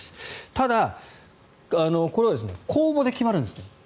ただ、これは公募で決まるんですね。